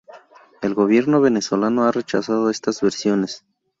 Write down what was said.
El gobierno venezolano ha rechazado estas versiones.